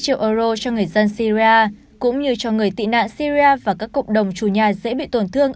hai triệu euro cho người dân syria cũng như cho người tị nạn syria và các cộng đồng chủ nhà dễ bị tổn thương